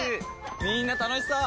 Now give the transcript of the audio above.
みんな楽しそう！